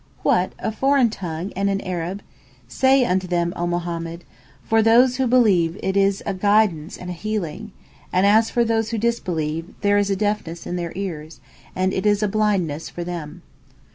What! A foreign tongue and an Arab? Say unto them (O Muhammad): For those who believe it is a guidance and a healing; and as for those who disbelieve, there is a deafness in their ears, and it is blindness for them.